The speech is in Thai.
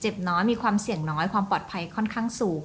น้อยมีความเสี่ยงน้อยความปลอดภัยค่อนข้างสูง